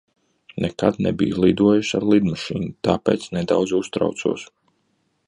Nekad nebiju lidojusi ar lidmašīnu, tāpēc nedaudz uztraucos.